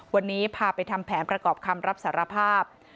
วันนี้พาไปทำแผนประกอบคำรับสารภาพ